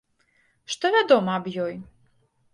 Што вядома аб ёй?